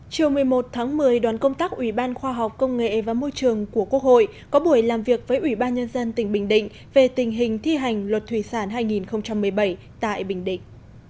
chiều một mươi một tháng một mươi đoàn công tác ủy ban khoa học công nghệ và môi trường của quốc hội có buổi làm việc với ủy ban nhân dân tỉnh bình định về tình hình thi hành luật thủy sản hai nghìn một mươi bảy tại bình định